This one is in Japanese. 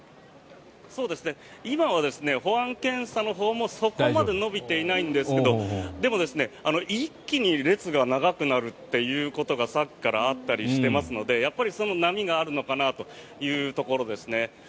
今は保安検査のほうもそこまで延びていないんですがでも一気に列が長くなるということがさっきからあったりしていますので波があるのかなというところですね。